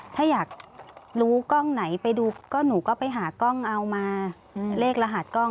ถ้าอยากรู้กล้องไหนไปดูก็หนูก็ไปหากล้องเอามาเลขรหัสกล้อง